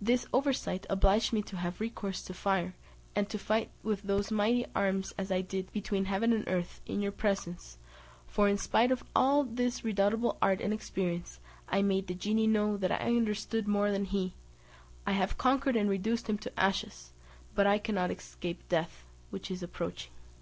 This oversight obliged me to have recourse to fire, and to fight with those mighty arms as I did, between heaven and earth, in your presence; for, in spite of all his redoubtable art and experience, I made the genie know that I understood more than he; I have conquered and reduced him to ashes, but I cannot escape death, which is approaching."